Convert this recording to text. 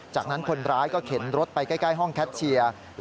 จากนั้นคนร้ายก็เข็นรถไปใกล้ห้องแคชเชียร์